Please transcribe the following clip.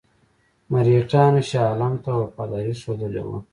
مرهټیانو شاه عالم ته وفاداري ښودلې وه.